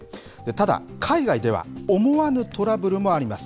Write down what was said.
ただ、海外では思わぬトラブルもあります。